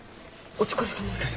お疲れさま。